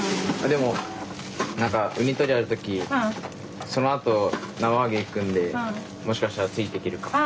でも何かウニ取りある時そのあと縄上げ行くんでもしかしたらついていけるかも。